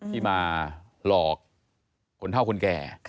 ที่มาหลอกคนเท่าคนแก่